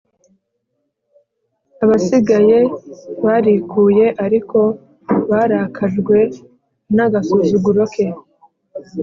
Abasigaye barikuye ariko barakajwe n’agasuzuguro ke